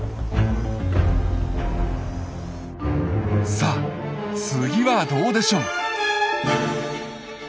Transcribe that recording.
さあ次はどうでしょう？